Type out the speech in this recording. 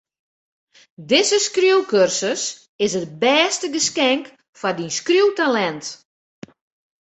Dizze skriuwkursus is it bêste geskink foar dyn skriuwtalint.